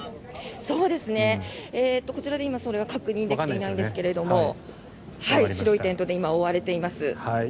こちらで今、それは確認できていないんですけれども白いテントで覆われています。